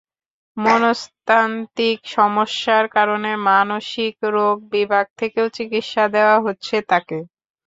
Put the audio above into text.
মনস্তাত্ত্বিক সমস্যার কারণে মানসিক রোগ বিভাগ থেকেও চিকিৎসা দেওয়া হচ্ছে তাকে।